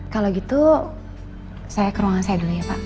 kalau gitu saya ke ruangan saya dulu ya pak